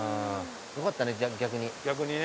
よかったね逆に。